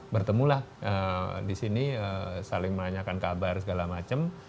bertemulah di sini saling menanyakan kabar segala macam